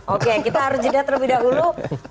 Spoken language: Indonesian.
oke kita harus jeda terlebih dahulu